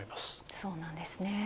そうなんですね。